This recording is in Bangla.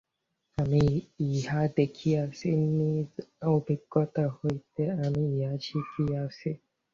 আমি ইহা দেখিয়াছি, নিজ অভিজ্ঞতা হইতে আমি ইহা শিখিয়াছি।